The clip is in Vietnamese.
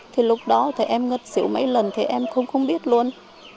thì lúc đó thì em ngất xỉu mấy lần thì em cũng không biết luôn